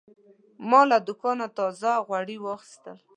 ما له دوکانه تازه غوړي واخیستل.